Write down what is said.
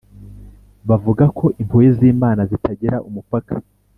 bivuga ko impuhwe z’imana zitagira umupaka,